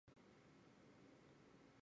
蒂永维勒人口变化图示